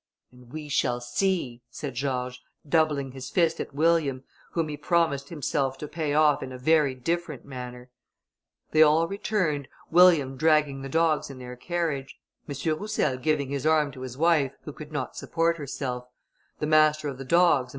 "And we shall see," said George, doubling his fist at William, whom he promised himself to pay off in a very different manner. They all returned, William dragging the dogs in their carriage; M. Roussel giving his arm to his wife, who could not support herself: the master of the dogs and M.